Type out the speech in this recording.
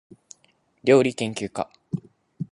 りょうりけんきゅうか